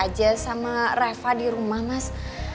aku takutnya dia bawa temen temennya ke rumah mas